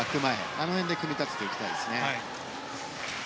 あの辺で組み立てていきたいですね。